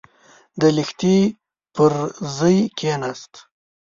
د لښتي پر ژۍکېناست.